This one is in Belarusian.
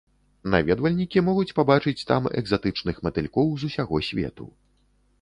Наведвальнікі могуць пабачыць там экзатычных матылькоў з усяго свету.